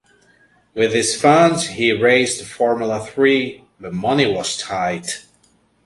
With these funds, he raced Formula Three, but money was tight.